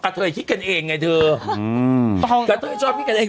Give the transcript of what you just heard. กระเทยคิดกันเองไงเธอกระเทยชอบคิดกันเอง